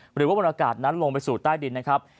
หรือว่าบนอากาศนั้นลงไปสู่ใต้ดินนะครับ